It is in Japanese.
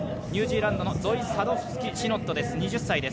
ニュージーランドのゾイ・サドフスキ・シノットです、２０歳。